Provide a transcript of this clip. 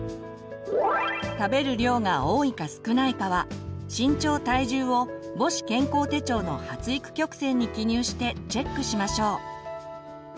食べる量が多いか少ないかは身長・体重を母子健康手帳の発育曲線に記入してチェックしましょう。